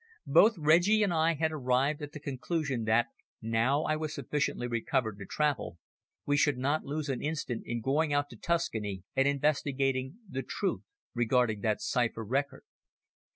Both Reggie and I had arrived at the conclusion that, now I was sufficiently recovered to travel, we should not lose an instant in going out to Tuscany, and investigating the truth regarding that cipher record.